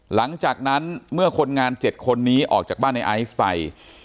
หลังจากนั้นเมื่อคนงาน๗คนนี้ออกจากบ้านในไอซ์ไป